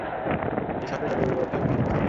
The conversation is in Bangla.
এই সাপের জাদুকরকে পাল্টা জবাব দাও।